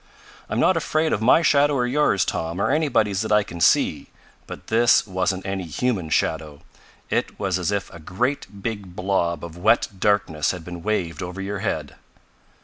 "I'm not afraid of my shadow or yours, Tom, or anybody's that I can see. But this wasn't any human shadow. It was as if a great big blob of wet darkness had been waved over your head."